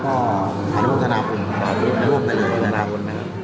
อาหารวงธนาบุญร่วมไปเลยนะคะ